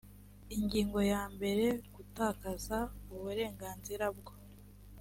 ingingo ya mbere gutakaza uburenganzira bwo